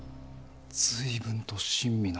随分と親身な。